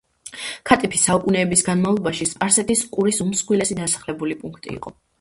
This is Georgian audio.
ქატიფი საუკუნეების განმავლობაში სპარსეთის ყურის უმსხვილესი დასახლებული პუნქტი იყო.